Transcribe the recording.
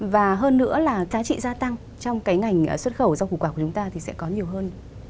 và hơn nữa là giá trị gia tăng trong cái ngành xuất khẩu rau củ quả của chúng ta thì sẽ có nhiều hơn